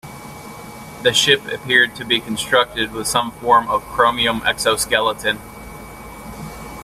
The ship appeared to be constructed with some form of chromium exoskeleton.